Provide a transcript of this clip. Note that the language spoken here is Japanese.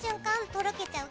とろけちゃう